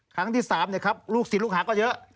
ครั้งที่๓ลูกศิษย์ลูกหาก็เยอะ